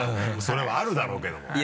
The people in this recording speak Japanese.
それはあるだろうけども。